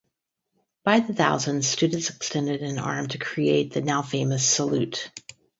By the thousands, students extended an arm to create the now famous salute.